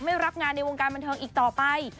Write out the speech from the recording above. รับงานในวงการบันเทิงอีกต่อไป